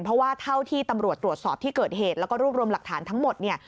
เพราะว่าเท่าที่ตำรวจตรวจสอบที่เกิดเหตุแล้วก็รวบรวมหลักฐานทั้งหมดเนี่ย